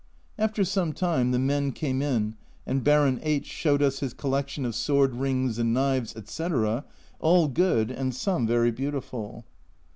After some time the men came in and Baron H showed us his collection of sword rings and knives, etc., all good, and some very beautiful.